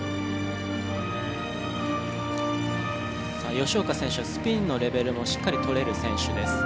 吉岡選手はスピンのレベルもしっかり取れる選手です。